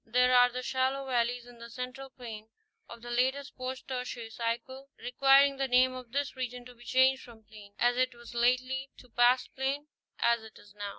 There are the shallow valleys in the Central plain, of the latest post tertiary cycle, requiring the name of this region to be changed from plain, as it was lately, to pastplain, as it. is now.